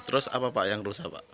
terus apa pak yang rusak pak